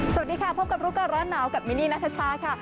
สวัสดีค่ะพบกับรู้ก่อนร้อนหนาวกับมินนี่นัทชาค่ะ